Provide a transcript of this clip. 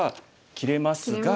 切れますね。